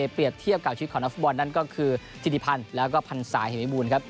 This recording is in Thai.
เปรียบเทียบกับชีวิตของนักฟุตบอลนั่นก็คือธิติพันธ์แล้วก็พรรษาเหมิบูรณ์ครับ